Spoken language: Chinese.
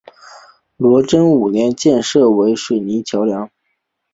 昭和五年改建为水泥桥梁。